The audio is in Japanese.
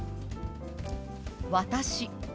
「私」。